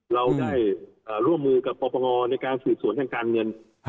เราได้ร่วมมือกับปปงในการสืบสวนทางการเงิน